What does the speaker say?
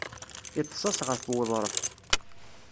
Iṭṭes-as ɣef wuḍṛef.